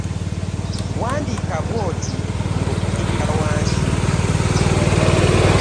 Wandika bw'oti nga okirira wansi.